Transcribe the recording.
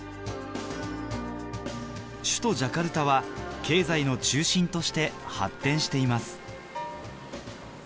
首都ジャカルタは経済の中心として発展しています